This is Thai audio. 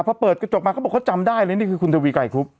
พอเปิดกระจกมาเขาบอกเขาจำได้เลยนี่คือคุณทวีไกรครุบ